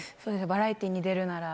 バラエティーに出るなら。